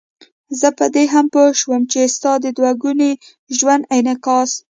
زه په دې هم پوه شوم چې ستا د دوه ګوني ژوند انعکاس.